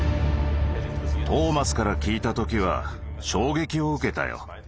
トーマスから聞いた時は衝撃を受けたよ。